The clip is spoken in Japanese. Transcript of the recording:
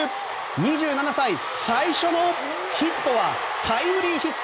２７歳、最初のヒットはタイムリーヒット！